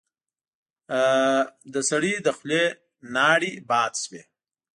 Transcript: د سړي له خولې لاړې باد شوې.